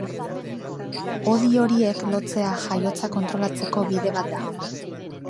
Hodi horiek lotzea jaiotza kontrolatzeko bide bat da.